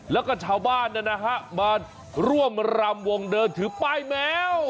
แล้วก็ชาวบ้านนะฮะมาร่วมรำวงเดินถือป้ายแมว